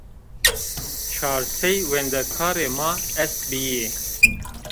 Çar sey wendekarê ma est bîyî